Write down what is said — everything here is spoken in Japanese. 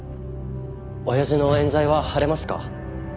親父の冤罪は晴れますか？